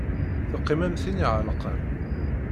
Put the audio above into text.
Teqqim am tin iɛelqen.